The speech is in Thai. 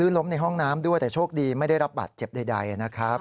ล้มในห้องน้ำด้วยแต่โชคดีไม่ได้รับบาดเจ็บใดนะครับ